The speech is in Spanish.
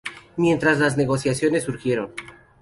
Mientras las negociaciones siguieron.